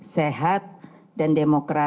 sehat dan berpengalaman